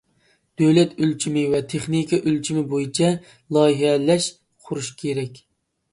دۆلەت ئۆلچىمى ۋە تېخنىكا ئۆلچىمى بويىچە لايىھەلەش، قۇرۇش كېرەك.